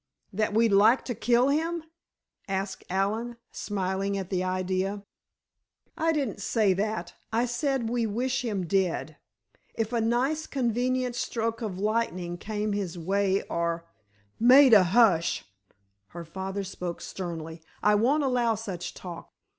"That we'd like to kill him?" asked Allen, smiling at the idea. "I didn't say that—I said we wish him dead. If a nice, convenient stroke of lightning came his way, or——" "Maida, hush!" her father spoke sternly; "I won't allow such talk!